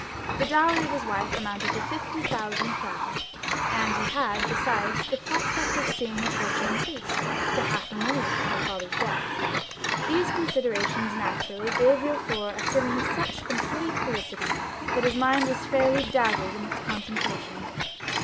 The dowry of his wife amounted to fifty thousand crowns, and he had, besides, the prospect of seeing her fortune increased to half a million at her father's death. These considerations naturally gave Villefort a feeling of such complete felicity that his mind was fairly dazzled in its contemplation.